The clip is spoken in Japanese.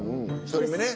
１人目ね。